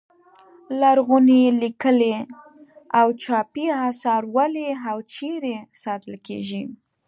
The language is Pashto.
لرغوني لیکلي او چاپي اثار ولې او چیرې ساتل کیږي.